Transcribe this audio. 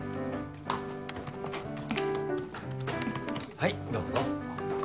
はいどうぞ。